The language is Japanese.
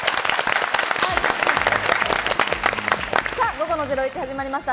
午後の『ゼロイチ』始まりました。